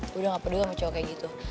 gue udah gak peduli sama cowok kayak gitu